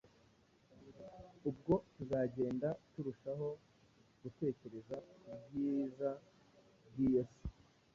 ubwo tuzagenda turushaho gutekereza k’ubwiza bw’iyo si